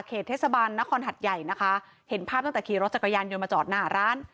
เทศบาลนครหัดใหญ่นะคะเห็นภาพตั้งแต่ขี่รถจักรยานยนต์มาจอดหน้าร้าน